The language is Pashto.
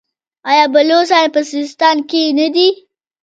آیا بلوڅان په سیستان کې نه دي؟